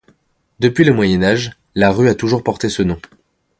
Depuis le Moyen Âge, la rue a toujours porté ce nom.